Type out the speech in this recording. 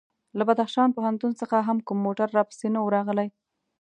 له بدخشان پوهنتون څخه هم کوم موټر راپسې نه و راغلی.